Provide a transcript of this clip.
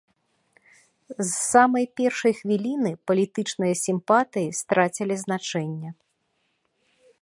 З самай першай хвіліны палітычныя сімпатыі страцілі значэнне.